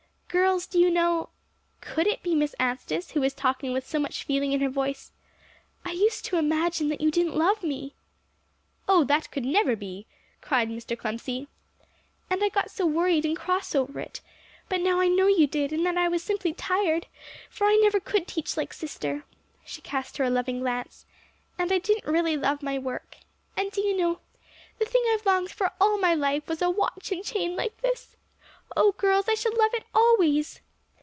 "Girls, do you know" could it be Miss Anstice who was talking with so much feeling in her voice? "I used to imagine that you didn't love me." "Oh, that could never be!" cried Mr. Clemcy. "And I got so worried and cross over it. But now I know you did, and that I was simply tired; for I never could teach like sister," she cast her a loving glance "and I didn't really love my work. And, do you know, the thing I've longed for all my life was a watch and chain like this? Oh girls, I shall love it always!"